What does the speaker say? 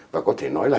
và có thể nói là